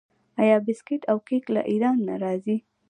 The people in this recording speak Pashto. آیا بسکیټ او کیک له ایران نه راځي؟